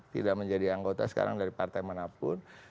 tidak menjadi anggota sekarang dari partai manapun